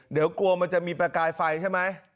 เดี๋ยวกลัวมันจะมีประกายไฟใช่ไหม